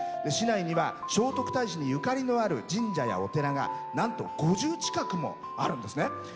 市内には聖徳太子にゆかりのある神社やお寺がなんと５０近くもあるんですね。